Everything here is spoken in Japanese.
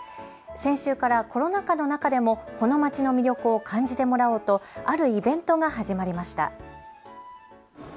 先週からコロナ禍の中でもこの街の魅力を感じてもらおうとあるイベントが始まりました。